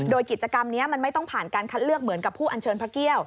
โดยกิจกรรมนี้มันไม่ต้องผ่านการคัดเลือกเหมือนกับผู้อัญเชิญพระเกี่ยว